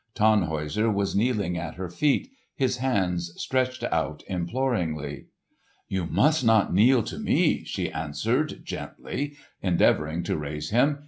Tannhäuser was kneeling at her feet, his hands stretched out imploringly. "You must not kneel to me," she answered, gently endeavouring to raise him.